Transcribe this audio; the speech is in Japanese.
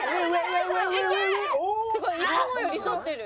すごい！いつもより沿ってる。